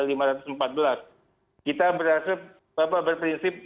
kita berhasil berprinsip mana yang lebih bermaksud